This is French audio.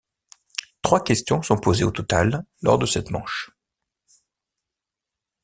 Trois questions sont posées au total lors de cette manche.